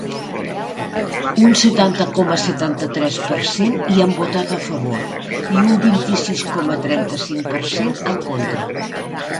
Un setanta coma setanta-tres per cent hi han votat a favor i un vint-i-sis coma trenta-cinc per cent, en contra.